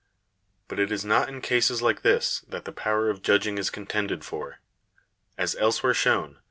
But it is not in cases like this that the power of judging is contended for. As elsewhere shown